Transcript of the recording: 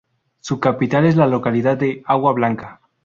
Su capital es la localidad de "Agua Blanca".